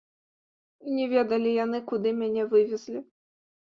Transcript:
Не ведалі яны, куды мяне вывезлі.